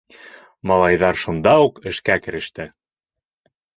Малайҙар шунда уҡ эшкә кереште.